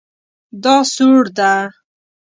دا سوړ ده